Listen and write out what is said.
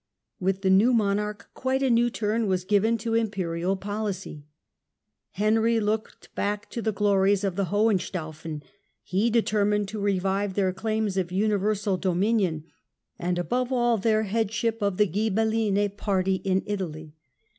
With the new monarch quite a new turn was given to Imperial policy. Italian Henry looked back to the glories of the Hohenstaufen. policy jjg determined to revive their claims of universal do minion and above all their headship of the GhibeUine party in Italy.